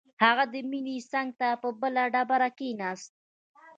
هغه د مينې څنګ ته په بله ډبره کښېناست.